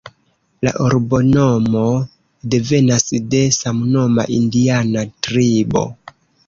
La urbonomo devenas de samnoma indiana tribo.